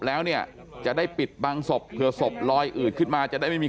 แล้วเนี่ยจะได้ปิดบังศพเผื่อศพลอยอืดขึ้นมาจะได้ไม่มี